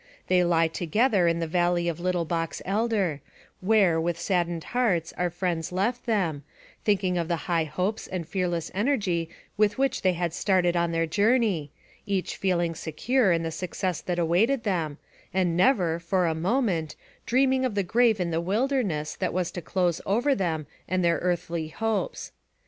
They lie together in the valley of 34 NAKRATIVE OF CAPTIVITY Little Box Elder, where with saddened hearts our friends left them, thinking of the high hopes and fearless energy with which they had started on their journey, each feeling secure in the success that awaited them, and never, for a moment, dreaming of the grave in the wilderness that was to close over them and their earthly hopes.